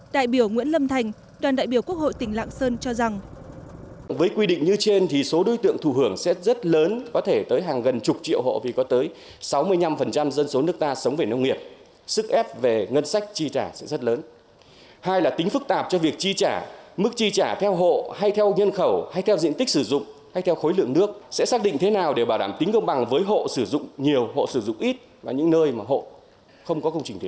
đại biểu nguyễn lâm thành đoàn đại biểu quốc hội tỉnh lạng sơn cho rằng